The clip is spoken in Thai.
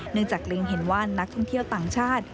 เนื่องจากเรียงเห็นว่านนักท่องเที่ยวต่างชาติ